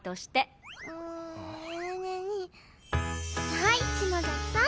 はい篠崎さん